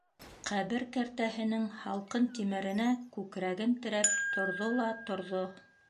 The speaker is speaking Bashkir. Ҡәбер кәртәһенең һалҡын тимеренә күкрәген терәп, торҙо ла торҙо.